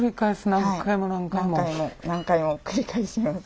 何回も何回も繰り返します。